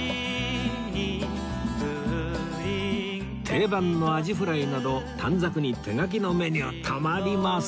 定番のあじフライなど短冊に手書きのメニューたまりません！